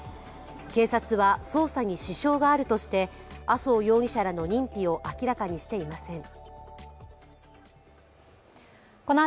警察は捜査に支障があるとして麻生容疑者らの認否を明らかにしていません。